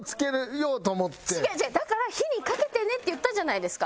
だから「火にかけてね」って言ったじゃないですか。